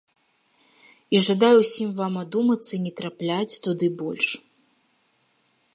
І жадаю ўсім вам адумацца і не трапляць туды больш!